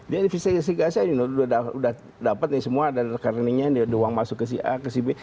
dia investigasi sudah dapat semua dan rekeningnya ada uang masuk ke si a ke si b